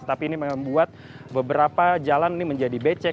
tapi ini membuat beberapa jalan ini menjadi becek